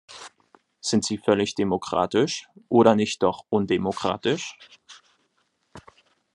Sind sie völlig demokratisch oder nicht doch undemokratisch?